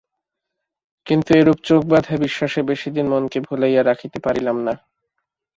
কিন্তু এরূপ চোখ-বাঁধা বিশ্বাসে বেশিদিন মনকে ভুলাইয়া রাখিতে পারিলেন না।